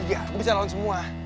gue bisa lawan semua